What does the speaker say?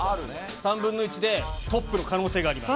３分の１でトップの可能性があります。